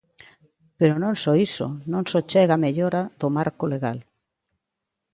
Pero non só iso, non só chega a mellora do marco legal.